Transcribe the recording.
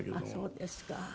あっそうですか。